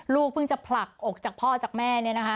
ลูกเพิ่งจะปลักออกจากพ่อจากแม่เนี่ยนะคะ